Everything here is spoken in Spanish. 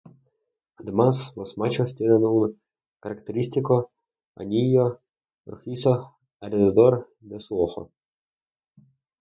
Además, los machos tienen un característico anillo rojizo alrededor de su ojo.